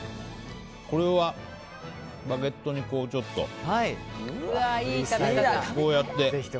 これはバゲットにちょっと、こうやって。